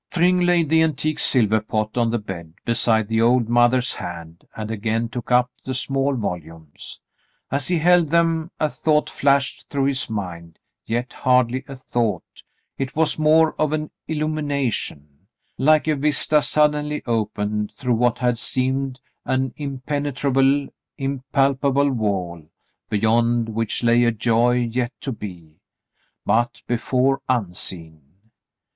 Thryng laid the antique silver pot on the bed beside the old mother's hand and again took up the small volumes. As he held them, a thought flashed through his mind, yet hardly a thought, — it was more of an illumination, — like a vista suddenly opened through what had seemed an impenetrable, impalpable wall, beyond which lay a joy yet to be, but before unseen.